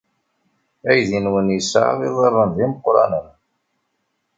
Aydi-nwen yesɛa iḍarren d imeqranen!